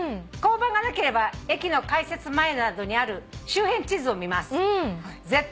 「交番がなければ駅の改札前などにある周辺地図を見ます」